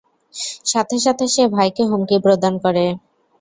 সাথে সাথে সে ভাইকে হুমকি প্রদান করে।